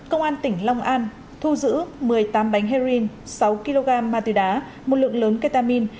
công an tỉnh long an thu giữ một mươi tám bánh heroin sáu kg ma túy đá một lượng lớn ketamin